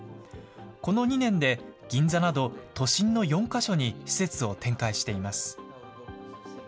この２年で銀座など、都心の４か所に施設を展開しています。